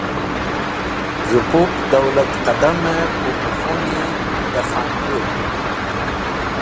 Z̃hũ pup Dowlatqẽdamẽ pupẽ khuni dẽ Khẽndũd